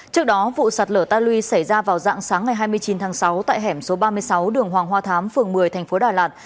trước đó vụ sạt lở ta luy xảy ra vào dạng sáng ngày hai mươi chín tháng sáu tại hẻm số ba mươi sáu đường hoàng hoa thám phường một mươi thành phố đà lạt